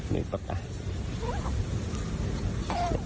นี่คุณดี